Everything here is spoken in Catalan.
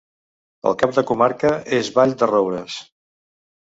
El cap de comarca és Vall-de-roures.